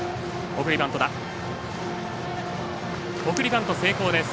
送りバント成功です。